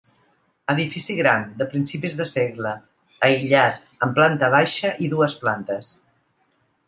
Edifici gran, de principis de segle, aïllat, amb planta baixa i dues plantes.